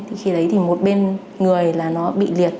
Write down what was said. thì khi đấy thì một bên người là nó bị liệt